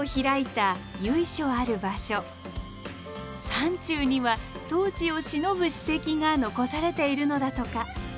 山中には当時をしのぶ史跡が残されているのだとか。